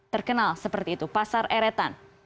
terkenal seperti itu pasar eretan